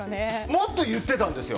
もっと言ってたんですよ。